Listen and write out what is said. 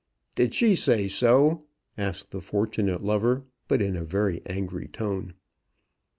"Did she say so?" asked the fortunate lover, but in a very angry tone.